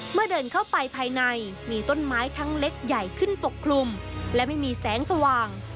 เดินเข้าไปภายในมีต้นไม้ทั้งเล็กใหญ่ขึ้นปกคลุมและไม่มีแสงสว่าง